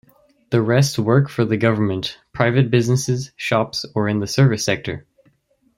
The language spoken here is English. The rest work for the Government, private businesses, shops or in the service sector.